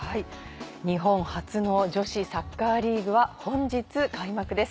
日本初の女子サッカーリーグは本日開幕です。